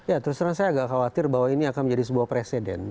ya terus terang saya agak khawatir bahwa ini akan menjadi sebuah presiden